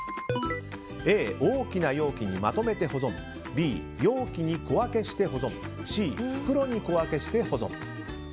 Ａ、大きな容器にまとめて保存Ｂ、容器に小分けして保存Ｃ、袋に小分けして保存。